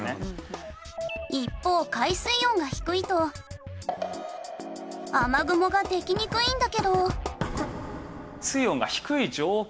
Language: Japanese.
一方海水温が低いと雨雲ができにくいんだけど。